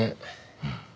うん。